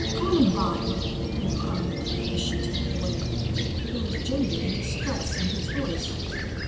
"Columbine!" he cried, as she turned away. There was genuine distress in his voice.